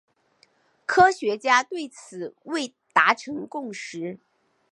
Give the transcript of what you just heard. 科学家对此从未达成共识。